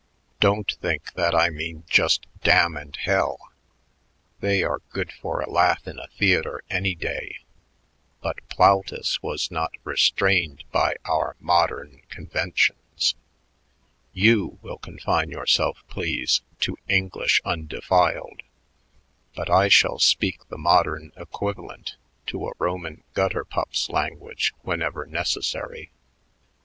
Don't think that I mean just 'damn' and 'hell.' They are good for a laugh in a theater any day, but Plautus was not restrained by our modern conventions. You will confine yourselves, please, to English undefiled, but I shall speak the modern equivalent to a Roman gutter pup's language whenever necessary.